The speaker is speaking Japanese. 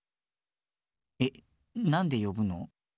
えなんでよぶの？